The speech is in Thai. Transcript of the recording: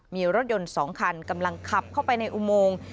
มีรถยนต์๒คันกำลังขับเข้าไปในอุโมง